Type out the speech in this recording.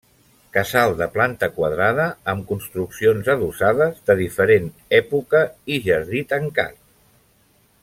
Casal de planta quadrada, amb construccions adossades de diferent època i jardí tancat.